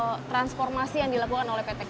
ada sejumlah transformasi yang dilakukan oleh pt kai pak